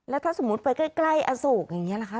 แล้วถ้าสมมุติไปใกล้ประซูกตรงนี้ล่ะค่ะ